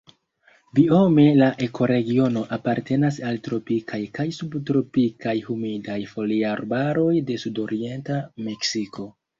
Biome la ekoregiono apartenas al tropikaj kaj subtropikaj humidaj foliarbaroj de sudorienta Meksiko.